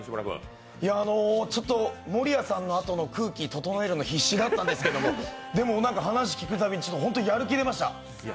ちょっと守谷さんのあとの空気整えるの必死だったんですけど、でも、話を聞くたびにホント、やる気出ました。